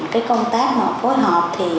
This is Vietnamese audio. cái công tác phối hợp thì